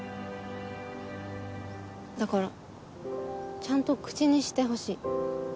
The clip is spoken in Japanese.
だからちゃんと口にしてほしい。